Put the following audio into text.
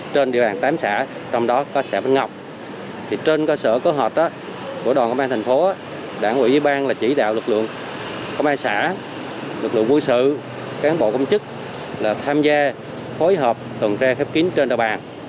trên địa bàn tám xã trong đó có xã bến ngọc trên cơ sở cơ hợp của đoàn công an thành phố đảng ủy ủy ban chỉ đạo lực lượng công an xã lực lượng quân sự cán bộ công chức tham gia phối hợp tuần tra kiểm soát phép kín trên đoàn bàn